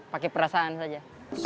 pakai perasaan saja